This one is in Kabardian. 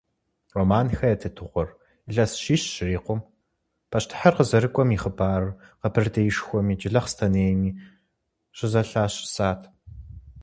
Романхэ я тетыгъуэр илъэс щищ щырикъум, пащтыхьыр къызэрыкӀуэм и хъыбарыр Къэбэрдеишхуэми Джылахъстэнейми щызэлъащӀысат.